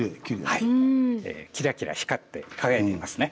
キラキラ光って輝いていますね。